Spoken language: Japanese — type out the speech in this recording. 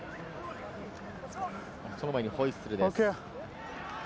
その前にホイッスルです。